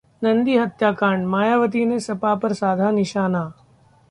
नंदी हत्याकांड: मायावती ने सपा पर साधा निशाना